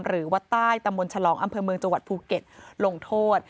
หรือวัดใต้ตะมนต์ฉลองอำเภอเมืองจวดภูเก็ตลงโทษ